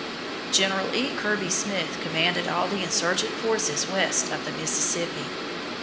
General E. Kirby Smith commanded all the insurgent forces west of the Mississippi.